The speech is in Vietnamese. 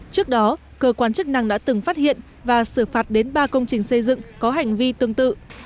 trước đó cơ quan chức năng đã từng phát hiện và xử phạt đến ba công trình xây dựng có hành vi tương tự